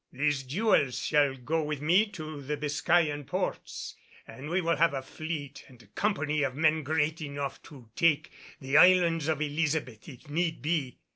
These jewels shall go with me to the Biscayan ports and we will have a fleet and company of men great enough to take the islands of Elizabeth if need be.